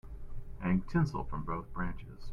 Hang tinsel from both branches.